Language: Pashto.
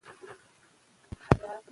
ډاکټران د اوږدمهاله زیانونو مخنیوی کوي.